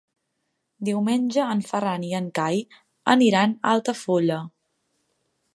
Diumenge en Ferran i en Cai aniran a Altafulla.